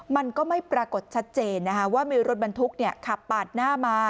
มันก็ไม่ปรากฏชัดเจนว่ามีรถบรรทุกขับปาดหน้ามา